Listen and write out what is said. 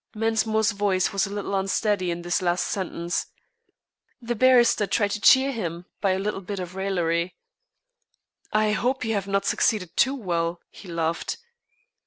Mensmore's voice was a little unsteady in this last sentence. The barrister tried to cheer him by a little bit of raillery: "I hope you have not succeeded too well?" he laughed.